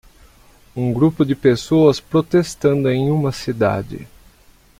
Um grupo de pessoas protestando em uma cidade.